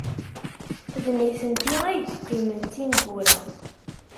D nitenti ay yeqqimen d tineggura.